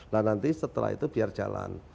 nah nanti setelah itu biar jalan